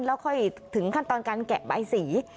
แล้วค่อยถึงขั้นตอนการแกะใบสี